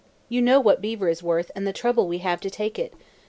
You know what beaver is worth and the trouble we have to take it.